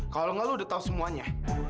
kalau enggak lu udah tahu semuanya